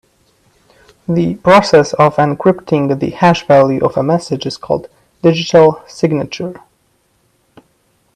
The process of encrypting the hash value of a message is called digital signature.